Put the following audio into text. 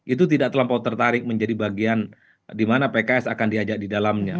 itu tidak terlampau tertarik menjadi bagian di mana pks akan diajak di dalamnya